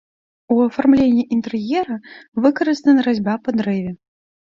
У афармленні інтэр'ера выкарыстана разьба па дрэве.